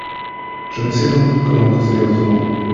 Je ne sais donc comment procéder autrement.